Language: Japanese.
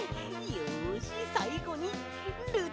よしさいごにルチタン！